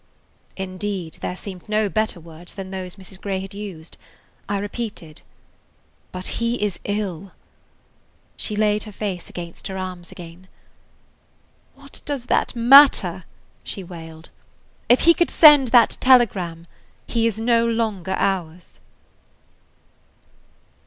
Indeed, there seemed no better words than those Mrs. Grey had used. I repeated: "But he is ill!" She laid her face against her arms again. "What does that matter?" she wailed. "If he could send that telegram, he is no longer ours."